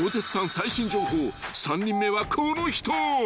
最新情報３人目はこの人］